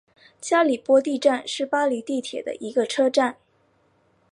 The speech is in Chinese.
加里波第站是巴黎地铁的一个车站。